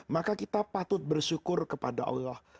maka kita patut bersyukur kepada allah